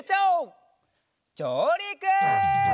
じょうりく！